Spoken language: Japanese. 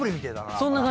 そんな感じです